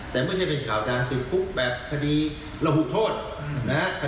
แต่ไม่ใช่เป็นข่าวดังติดคุกแบบคดีระบุโทษนะฮะ